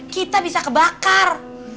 kita bisa kebakar